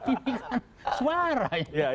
ini kan suara